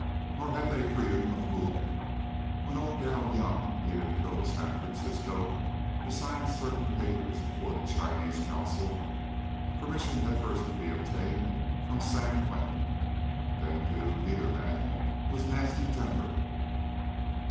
Nor had they freedom of movement. When old Gow Yum needed to go to San Francisco to sign certain papers before the Chinese Consul, permission had first to be obtained from San Quentin. Then, too, neither man was nasty tempered.